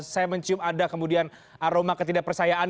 saya mencium anda kemudian aroma ketidakpersayaan